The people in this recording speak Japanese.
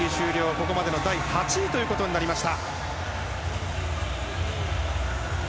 ここまでの第８位ということになりました。